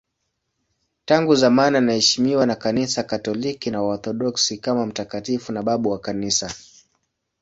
Tangu zamani anaheshimiwa na Kanisa Katoliki na Waorthodoksi kama mtakatifu na babu wa Kanisa.